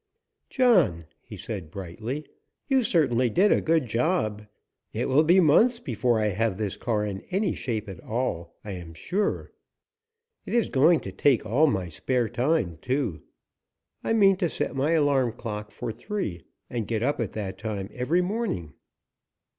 "John," he said brightly, "you certainly did a good job. It will be months before I have this car in any shape at all, I am sure. It is going to take all my spare time, too. I mean to set my alarm clock for three, and get up at that time every morning."